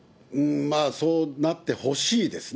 そうなってほしいですね。